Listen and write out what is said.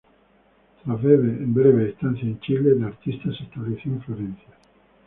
Tras breves estancias en Chile, la artista se estableció en Florencia.